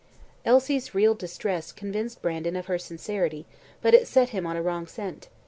Elsie's real distress convinced Mr. Brandon of her sincerity, but it set him on a wrong scent.